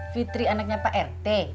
fitri anaknya pak rt